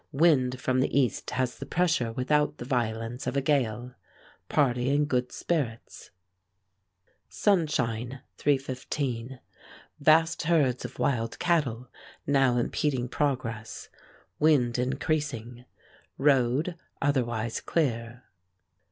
Wind from the east has the pressure without the violence of a gale. Party in good spirits. SUNSHINE, 3:15. Vast herds of wild cattle now impeding progress. Wind increasing. Road otherwise clear.